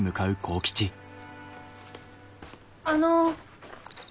あの。